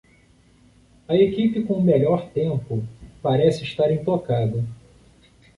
A equipe com o melhor tempo parece estar intocada.